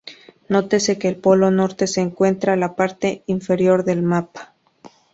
Nótese que el polo norte se encuentra la parte inferior del mapa.